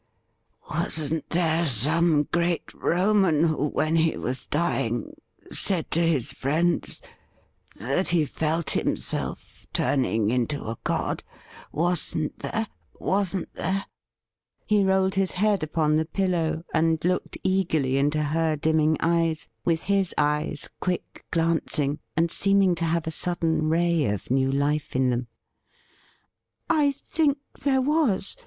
Wasn't there some great Roman who, when he was dying, said to his friends that he felt himself turning into a god? — wasn't there ? wasn't there .'" He rolled his head upon the pillow, and looked eagerly into her dimming eyes with his eyes quick glancing, and seeming to have a sudden ray of new life in them. 'I think there was.